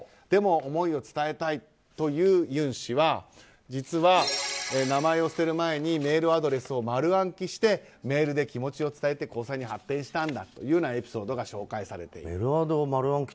でも思いを伝えたいという尹氏は実は名刺を捨てる前にメールアドレスを丸暗記してメールで気持ちを伝えて交際に発展したんだというエピソードが紹介されている。